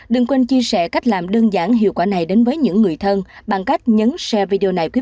đừng quên chia sẻ cách làm đơn giản hiệu quả này đến với những người thân bằng cách nhấn xe video này